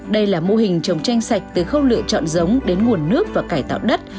đây là mô hình chồng chanh sạch từ khâu lựa chọn giống đến nguồn nước và cải tạo đất